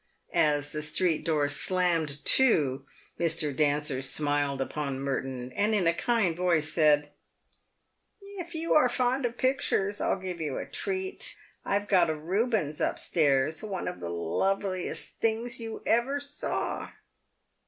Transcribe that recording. As the street door slammed to, Mr. Dancer smiled upon Merton, and in a kind voice said, " If you are fond of pictures, I'll give you a treat. I've got a Eubens up stairs — one of the loveliest things you ever saw."